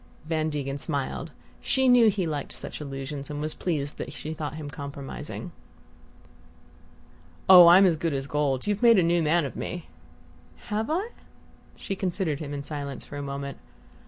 Van Degen smiled. She knew he liked such allusions, and was pleased that she thought him compromising. "Oh, I'm as good as gold. You've made a new man of me!" "Have I?" She considered him in silence for a moment.